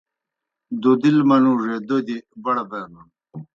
دوْدِل منُوڙے دوْدیْ بڑہ بینَن۔